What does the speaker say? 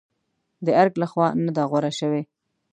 د ارګ لخوا نه دي غوره شوې.